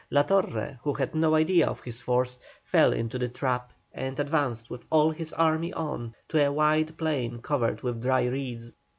La Torre, who had no idea of his force, fell into the trap, and advanced with all his army on to a wide plain covered with dry reeds.